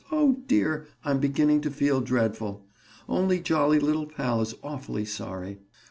Oh, dear! I'm beginning to feel dreadful. Only jolly little pal is awfully sorry."